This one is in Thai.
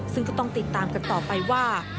ซึ่งก็ต้องติดตามกันต่อไปว่า